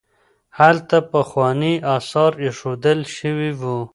هلته پخواني اثار ایښودل شوي وو.